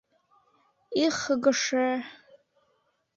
Их, ГШЭ...